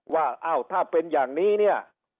ว่าถ้าเป็นอย่างนี้